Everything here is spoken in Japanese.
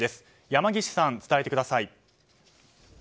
山岸さん、伝えてください。